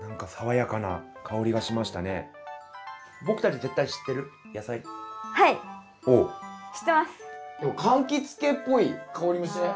でもかんきつ系っぽい香りもしない？